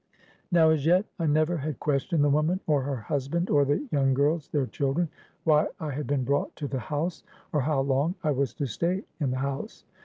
"Now as yet I never had questioned the woman, or her husband, or the young girls, their children, why I had been brought to the house, or how long I was to stay in the house.